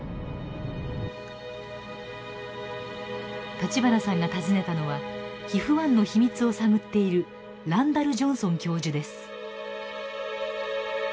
立花さんが訪ねたのはＨＩＦ−１の秘密を探っているランダルジョンソン教授です。